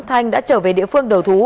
thanh đã trở về địa phương đầu thú